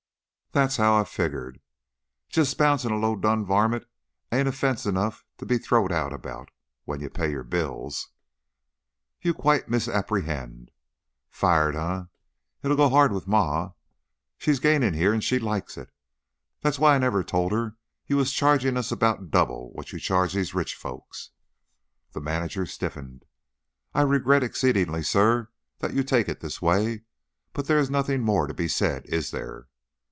"That's how I figgered! Just bouncin' a low down var mint ain't offense enough to be throwed out about, when you pay your bills " "You quite misapprehend " "Fired, eh? It 'll go hard with Ma. She's gainin' here, and she likes it. That's why I never told her you was chargin' us about double what you charge these rich folks." The manager stiffened. "I regret exceedingly, sir, that you take it this way. But there is nothing more to be said, is there?"